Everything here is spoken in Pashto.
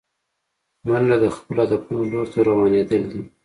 منډه د خپلو هدفونو لور ته روانېدل دي